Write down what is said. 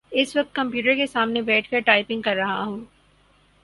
اس وقت کمپیوٹر کے سامنے بیٹھ کر ٹائپنگ کر رہا ہوں